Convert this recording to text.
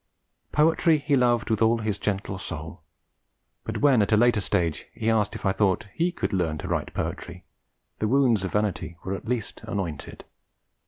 Poetry he loved with all his gentle soul; but when, at a later stage, he asked if I thought he could 'learn to write poetry,' the wounds of vanity were at least anointed.